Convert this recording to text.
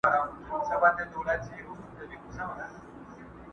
کله ورور کله مو زوی راته تربوری دی،